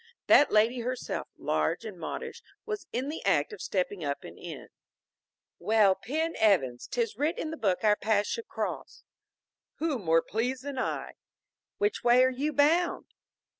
That lady herself, large and modish, was in the act of stepping up and in. "Well, Pen Evans! 'Tis writ in the book our paths should cross." "Who more pleased than I?" "Which way are you bound?"